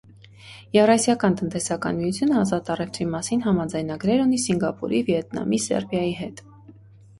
Եվրասիական տնտեսական միությունը ազատ առևտրի մասին համաձայնագրեր ունի Սինգապուրի, Վիետնամի, Սերբիայի հետ: